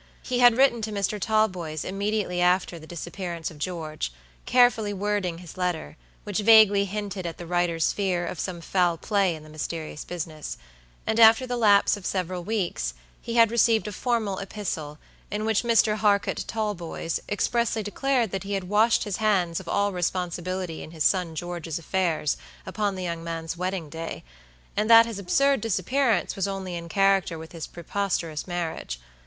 He had written to Mr. Talboys immediately after the disappearance of George, carefully wording his letter, which vaguely hinted at the writer's fear of some foul play in the mysterious business; and, after the lapse of several weeks, he had received a formal epistle, in which Mr. Harcourt Talboys expressly declared that he had washed his hands of all responsibility in his son George's affairs upon the young man's wedding day; and that his absurd disappearance was only in character with his preposterous marriage.